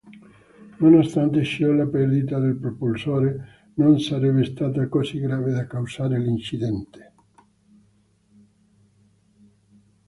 Nonostante ciò, la perdita del propulsore non sarebbe stata così grave da causare l'incidente.